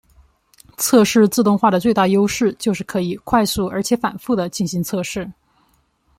测试自动化的最大优势就是可以快速而且反覆的进行测试。